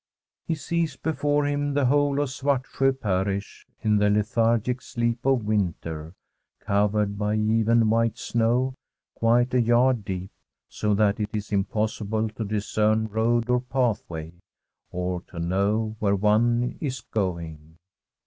He sees before him the whole of Svartsjo parish in the lethargic sleep of winter, covered by even white snow, quite a yard deep, so that it is impossible to discern road or pathway, or to know where one is going.